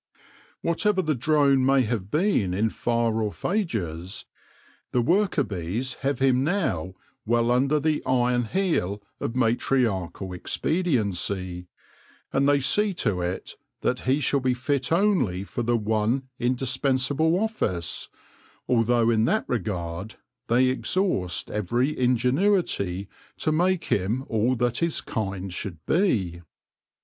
Whatever the drone may have been in far off ages, the worker bees have him now well under the iron heel of matriarchal expediency ; and they see to it that he shall be fit only for the one indispensable office, although in that regard they exhaust every ingenuity to make him all that his kind should be.